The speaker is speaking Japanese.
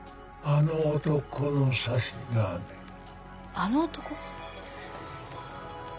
あの男？